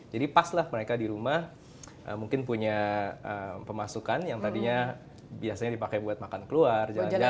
jadi pas lah mereka di rumah mungkin punya pemasukan yang tadinya biasanya dipakai buat makan keluar jalan jalan